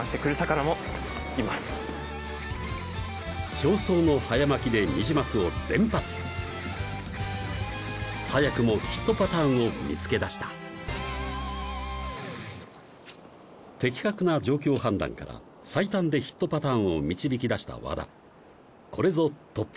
表層の早巻きでニジマスを連発早くもヒットパターンを見つけ出した的確な状況判断から最短でヒットパターンを導き出した和田これぞトップ